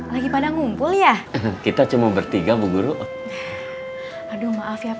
sampai jumpa di video selanjutnya